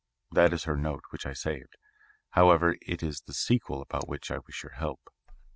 That is her note, which I saved. However, it is the sequel about which I wish your help."